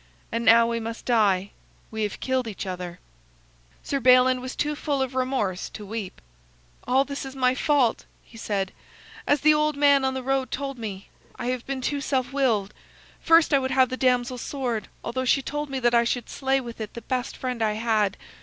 And now we must die; we have killed each other." [Illustration: "They fought till their breath failed"] Sir Balin was too full of remorse to weep. "All this is my fault," he said. "As the old man on the road told me, I have been too self willed. First, I would have the damsel's sword, although she told me that I should slay with it the best friend I had.